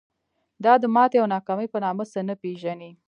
دا د ماتې او ناکامۍ په نامه څه نه پېژني.